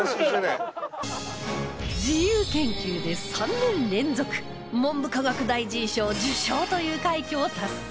自由研究で３年連続文部科学大臣賞受賞という快挙を達成